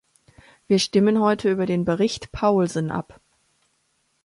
Wir stimmen heute über den Bericht Paulsen ab.